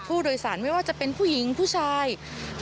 ผู้โดยสารไม่ว่าจะเป็นผู้หญิงผู้ชายคนแก่ผู้เท่า